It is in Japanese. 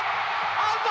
アウト！